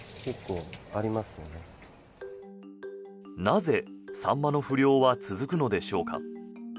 なぜ、サンマの不漁は続くのでしょうか。